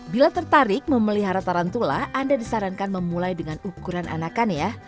bila tertarik memelihara tarantula anda disarankan memulai dengan ukuran anakan ya